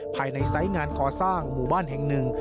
ภายในไซต์งานคอสร้างหมู่บ้านแห่งหนึ่ง